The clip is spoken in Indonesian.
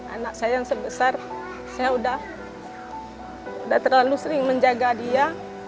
anak saya yang sebesar saya udah terlalu sering menjaga dia